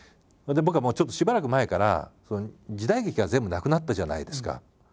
それで僕はちょっとしばらく前から時代劇が全部なくなったじゃないですか。